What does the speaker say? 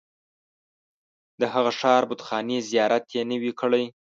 د هغه ښار بتخانې زیارت یې نه وي کړی.